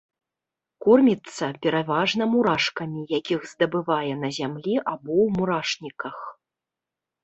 Корміцца пераважна мурашкамі, якіх здабывае на зямлі або ў мурашніках.